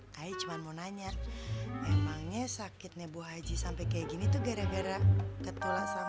kayaknya cuma mau nanya emangnya sakitnya bu haji sampai kayak gini tuh gara gara ketolak sama